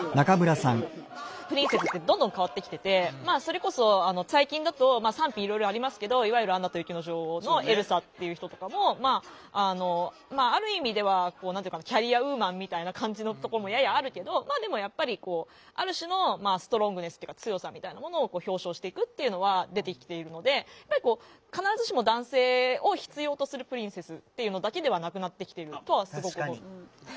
プリンセスってどんどん変わってきててまあそれこそ最近だと賛否いろいろありますけどいわゆる「アナと雪の女王」のエルサっていう人とかもまあある意味ではキャリアウーマンみたいな感じのところもややあるけどまあでもやっぱりある種のストロングネスっていうか強さみたいなものを表象していくっていうのは出てきているので必ずしも男性を必要とするプリンセスっていうのだけではなくなってきてるとはすごく思う。